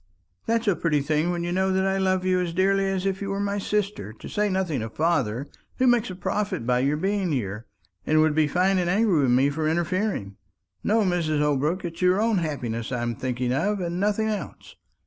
"That's a pretty thing, when you know that I love you as dearly as if you were my sister; to say nothing of father, who makes a profit by your being here, and would be fine and angry with me for interfering. No, Mrs. Holbrook; it's your own happiness I'm thinking of, and nothing else.